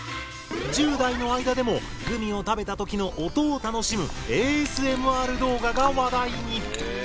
１０代の間でもグミを食べた時の音を楽しむＡＳＭＲ動画が話題に！